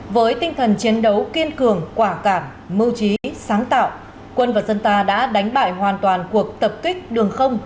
với tinh thần chiến đấu kiên cường quả cảm mưu trí sáng tạo quân và dân ta đã đánh bại hoàn toàn cuộc tập kích đường không